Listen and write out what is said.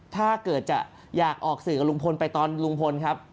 ถ้าเกิดจะอยากออกสื่อกับลุงพลไปตอนลุงพลครับ